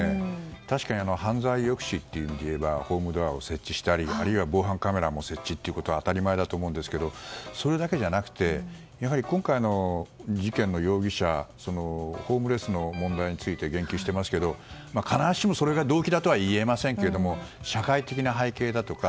確かに犯罪抑止といえばホームドアを設置したり防犯カメラの設置は当たり前だと思うんですけどそれだけじゃなくて今回の事件の容疑者ホームレスの問題について言及していますが必ずしもそれが動機だとは言えませんが社会的な背景だとか